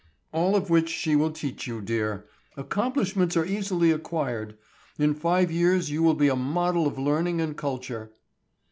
"All of which she will teach you, dear. Accomplishments are easily acquired. In five years you will be a model of learning and culture."